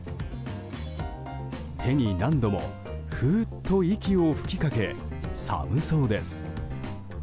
手に何度もふーっと息を吹きかけ寒そうです。